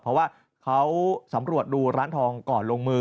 เพราะว่าเขาสำรวจดูร้านทองก่อนลงมือ